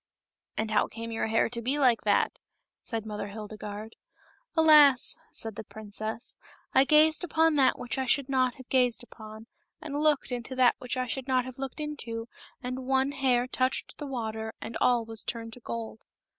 "And how came your hair to be like that?" said Mother Hildegarde. " Alas !" said the princess, " I gazed upon that which I should not have gazed upon, and looked into that which I should not have looked into, and one hair touched the water and all was turned to gold."